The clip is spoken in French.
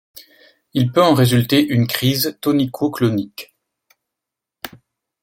Il peut en résulter une crise tonico-clonique.